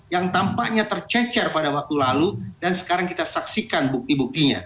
yang tampaknya tercecer pada waktu lalu dan sekarang kita saksikan bukti buktinya